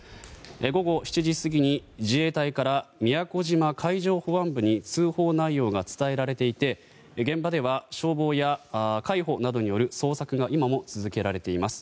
午後７時過ぎに自衛隊から宮古島海上保安部に通報内容が伝えられていて現場では消防や海保などによる捜索が今も続けられています。